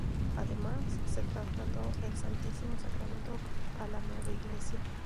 Además, se trasladó el Santísimo Sacramento a la nueva iglesia.